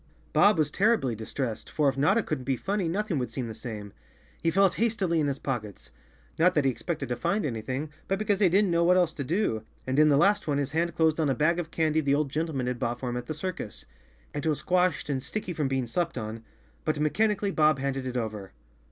Bob was terribly distressed, for if Notta couldn't be funny nothing would seem the same. He felt hastily in his pockets—not that he expected to find anything, but because he didn't know what else to do—and in the last one his hand closed on a bag of candy the old gentleman had bought for him at the circus. It was squashed and sticky from being slept on, but mechan¬ ically Bob handed it over.